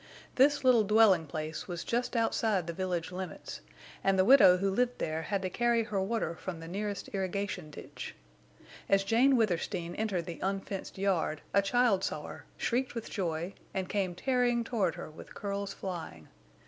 This little dwelling place was just outside the village limits, and the widow who lived there had to carry her water from the nearest irrigation ditch. As Jane Withersteen entered the unfenced yard a child saw her, shrieked with joy, and came tearing toward her with curls flying.